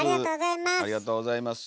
ありがとうございます。